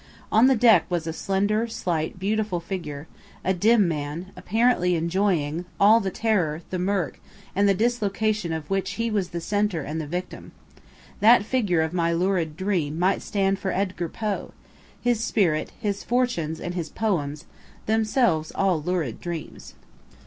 On the deck was a slender, slight, beautiful figure, a dim man, apparently enjoying all the terror, the murk, and the dislocation of which he was the centre and the victim. That figure of my lurid dream might stand for Edgar Poe, his spirit, his fortunes, and his poems themselves all lurid dreams.'"